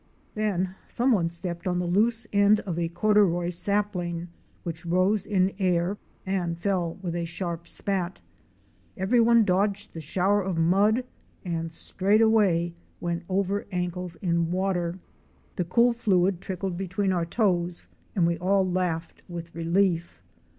Then some one stepped on the loose end of a corduroy sapling which rose in air and fell with a sharp spat. Everyone dodged the shower of mud and straightway went over ankles in water. The cool fluid trickled between our toes and we all laughed with relief.